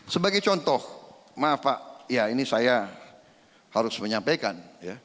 sebagai contoh maaf pak ya ini saya harus menyampaikan